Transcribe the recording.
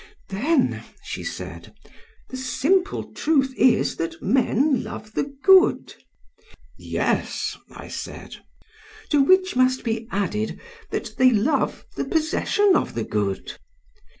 "'Then,' she said, 'the simple truth is that men love the good.' "'Yes,' I said. "'To which must be added that they love the possession of the good?'